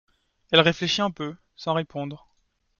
Elle réfléchit un peu, sans répondre.